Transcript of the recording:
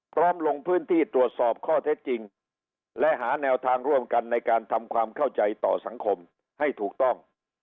ลงพื้นที่ตรวจสอบข้อเท็จจริงและหาแนวทางร่วมกันในการทำความเข้าใจต่อสังคมให้ถูกต้อง